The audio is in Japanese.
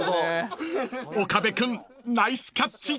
［岡部君ナイスキャッチ］